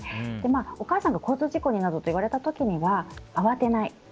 お母さんが交通事故と言われた時は慌てない。